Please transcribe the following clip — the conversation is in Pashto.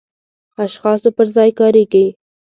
اشخاصو پر ځای کاریږي.